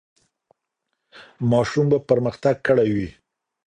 ماشوم به پرمختګ کړی وي.